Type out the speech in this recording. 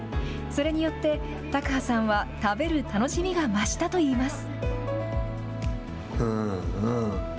それによって、卓巴さんは食べる楽しみが増したといいます。